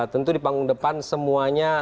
tentu di panggung depan semuanya